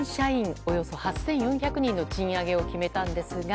およそ８４００人の賃上げを決めたんですが。